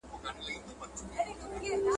• يو وار نوک ځاى که، بيا سوک.